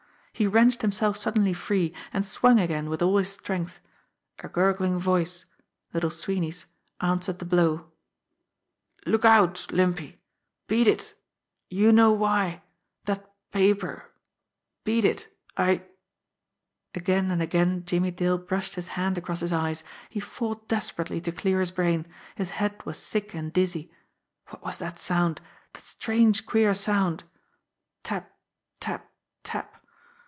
He wrenched himself suddenly free, and swung again with all his strength. A gurgling voice Little Swee ney's answered the blow : "Look out Limpy beat it you know why that paper beat it I " Again and again Jimmie Dale brushed his hand across his eyes. He fought desperately to clear his brain. His head was sick and dizzy. What was that sound, that strange, queer sound? Tap, tap, tap!